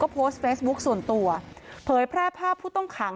โพสต์เฟซบุ๊คส่วนตัวเผยแพร่ภาพผู้ต้องขัง